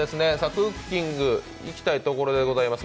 クッキングにいきたいところでございます。